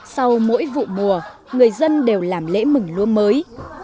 sau mỗi vụ mùa người dân đều làm lễ mừng lúa mới